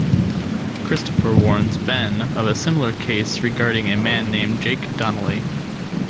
Christopher warns Ben of a similar case regarding a man named Jake Donnelly.